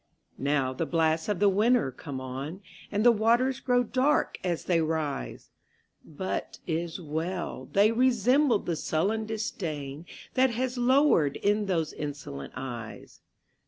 Now the blasts of the winter come on, And the waters grow dark as they rise! But 't is well!—they resemble the sullen disdainThat has lowered in those insolent eyes.